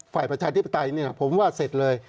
ฝ่ายประชาธิปไตยนี่ผมว่าเสร็จเลย